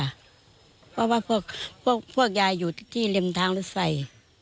เพราะว่าพวกยายอยู่ที่ริมทางรถไฟ